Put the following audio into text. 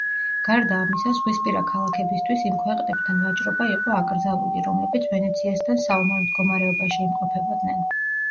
გარდა ამისა, ზღვისპირა ქალაქებისთვის იმ ქვეყნებთან ვაჭრობა იყო აკრძალული, რომლებიც ვენეციასთან საომარ მდგომარეობაში იმყოფებოდნენ.